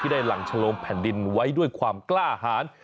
ได้หลั่งฉลมแผ่นดินไว้ด้วยความกล้าหาร